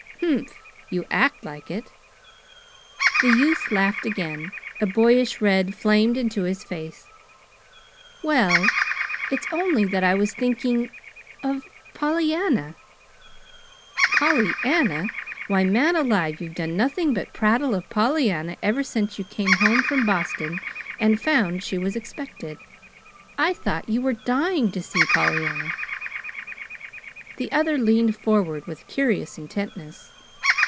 "Humph! You act like it." The youth laughed again. A boyish red flamed into his face. "Well, it's only that I was thinking of Pollyanna." "Pollyanna! Why, man alive, you've done nothing but prattle of Pollyanna ever since you came home from Boston and found she was expected. I thought you were dying to see Pollyanna." The other leaned forward with curious intentness.